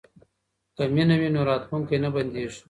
که مینه وي نو راتلونکی نه بندیږي.